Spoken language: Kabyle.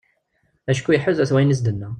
Acku iḥuza-t wayen i as-d-tenna.